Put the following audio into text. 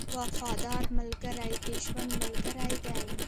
• وفادار ملګری د ژوند ملګری دی.